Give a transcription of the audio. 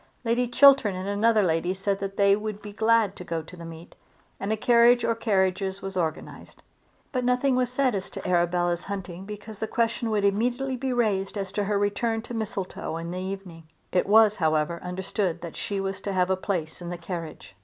Lady Chiltern and another lady said that they would be glad to go to the meet, and a carriage or carriages were organised. But nothing was said as to Arabella's hunting because the question would immediately be raised as to her return to Mistletoe in the evening. It was, however, understood that she was to have a place in the carriage.